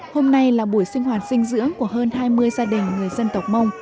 hôm nay là buổi sinh hoạt dinh dưỡng của hơn hai mươi gia đình người dân tộc mông